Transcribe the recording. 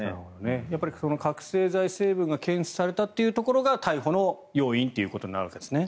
やっぱり覚醒剤成分が検出されたというところが逮捕の要因ということになるわけですね。